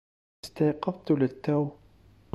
استيقظت للتوّ.